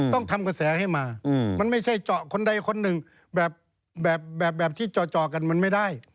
ต้องทำกระแสให้มามันไม่ใช่เจาะคนใดคนหนึ่งแบบที่จ่อกันมันไม่ได้